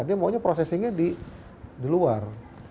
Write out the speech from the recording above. dia maunya prosesinya di luar